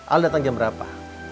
al datang jam berapa